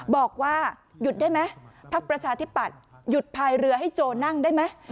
บอกว่าหยุดได้ไหมพักประชาธิปัตย์หยุดพายเรือให้โจนั่งได้ไหม